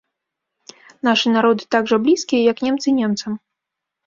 Нашы народы так жа блізкія, як немцы немцам.